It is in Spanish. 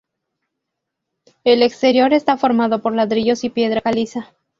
El exterior está formado por ladrillos y piedra caliza.